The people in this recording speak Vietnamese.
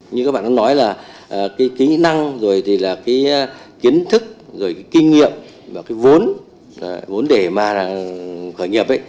như các bạn nói là kỹ năng kiến thức kinh nghiệm vốn để khởi nghiệp